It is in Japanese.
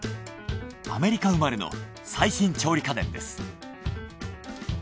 アメリカ生まれの最新調理家電です。